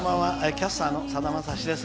キャスターのさだまさしです。